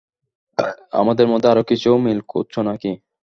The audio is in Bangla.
আমাদের মধ্যে আরো কিছু মিল খুজঁছো নাকি।